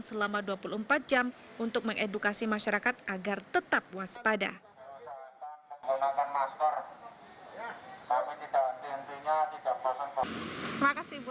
selama dua puluh empat jam untuk mengedukasi masyarakat agar tetap waspada masker tidak makasih bu